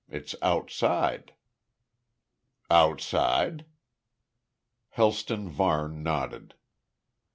It's outside." "Outside?" Helston Varne nodded.